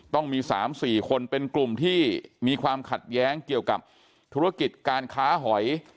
ต้องมี๓๔คนเป็นกลุ่มที่มีความขัดแย้งเกี่ยวกับธุรกิจการค้าหอย